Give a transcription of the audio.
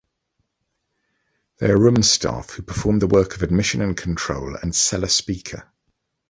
They are room staff who perform the work of admission and control, and seller-speaker.